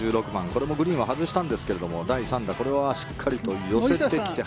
これもグリーンを外したんですが第３打、これはしっかりと寄せてきて。